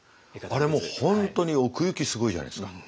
あれもう本当に奥行きすごいじゃないですか。